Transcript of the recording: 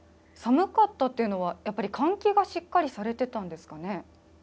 寒かったというのは換気がしっかりされてたんですかね？